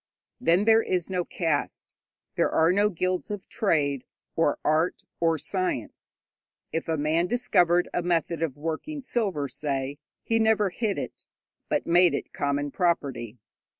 Then there is no caste; there are no guilds of trade, or art, or science. If a man discovered a method of working silver, say, he never hid it, but made it common property.